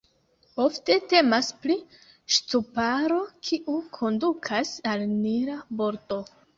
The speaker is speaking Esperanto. Ofte temas pri ŝtuparo, kiu kondukas al la Nila bordo.